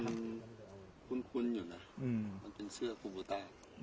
คุ้นอยู่น่ะ